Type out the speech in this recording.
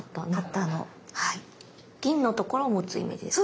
銀のところを持つイメージですか？